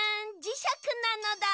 じしゃくなのだ。